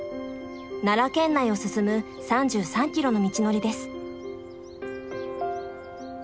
奈良県内を進む３３ｋｍの道のりです。